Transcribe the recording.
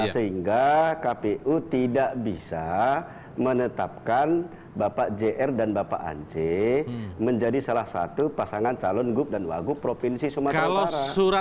sehingga kpu tidak bisa menetapkan bapak jr dan bapak ance menjadi salah satu pasangan calon gub dan wagub provinsi sumatera utara